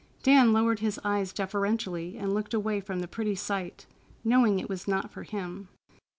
Dan lowered his eyes deferentially and looked away from the pretty sight, knowing it was not for him.